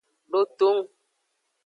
Dotong.